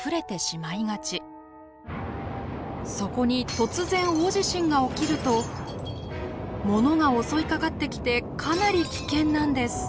そこに突然大地震が起きると物が襲いかかってきてかなり危険なんです。